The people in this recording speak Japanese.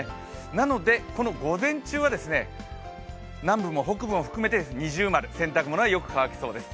なので、この午前中は南部も北部も含めて◎洗濯物はよく乾きそうです。